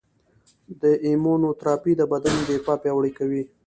د ایمونوتراپي د بدن دفاع پیاوړې کوي.